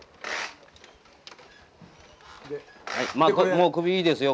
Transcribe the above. もう首いいですよ